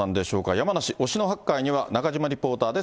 山梨・忍野八海には中島リポーターです。